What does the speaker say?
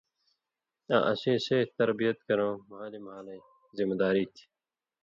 آں اسیں صیح تربیت کرٶں مھالیۡ مھالَیں ذمہ واری تھی۔